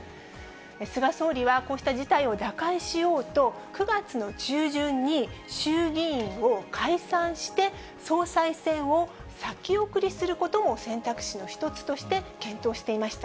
菅総理はこうした事態を打開しようと、９月の中旬に衆議院を解散して、総裁選を先送りすることも選択肢の一つとして、検討していました。